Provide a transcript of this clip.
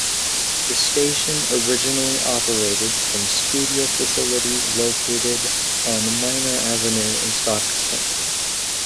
The station originally operated from studio facilities located on Miner Avenue in Stockton.